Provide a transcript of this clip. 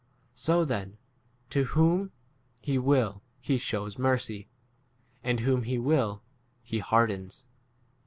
18 So then, to whom he will he shews mercy, and whom he will he hardens.